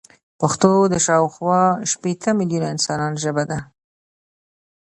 پښتو د شاوخوا شپيته ميليونه انسانانو ژبه ده.